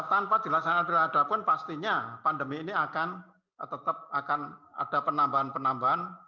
tanpa dilaksanakan pilkada pun pastinya pandemi ini akan tetap akan ada penambahan penambahan